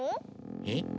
えっ？